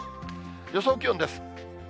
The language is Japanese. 予想気温です。